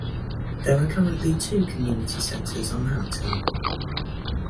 There are currently two community centres on Hampton.